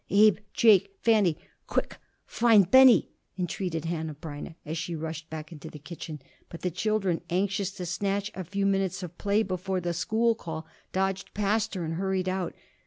"Abe, Jake, Fanny, quick, find Benny!" entreated Hanneh Breineh as she rushed back into the kitchen. But the children, anxious to snatch a few minutes' play before the school call, dodged past her and hurried out.